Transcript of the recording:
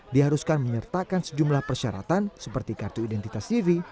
diharuskan menyertakan sejumlah persyaratan seperti kartu identitas tv